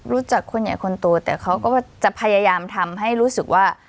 รู้จักคนใหญ่คนโตแต่เขาก็จะพยายามทำให้รู้สึกว่า